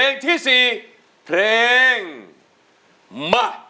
เพลงที่สี่เพลงมัด